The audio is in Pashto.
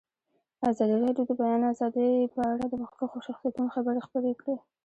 ازادي راډیو د د بیان آزادي په اړه د مخکښو شخصیتونو خبرې خپرې کړي.